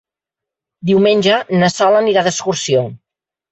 Diumenge na Sol anirà d'excursió.